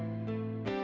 aku beneran penasaran